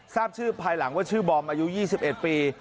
ทราบชื่อภายหลังว่าชื่อบอมอายุ๒๑ปี